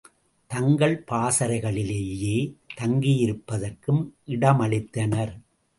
தங்கள் பாசறைகளிலேயே தங்கியிருப்பதற்கும் இடமளித்தனர்.